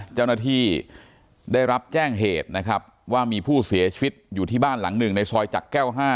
เจ้าหน้าที่ได้รับแจ้งเหตุนะครับว่ามีผู้เสียชีวิตอยู่ที่บ้านหลังหนึ่งในซอยจักรแก้ว๕